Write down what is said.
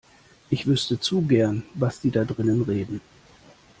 Ich wüsste zu gern, was die da drinnen reden.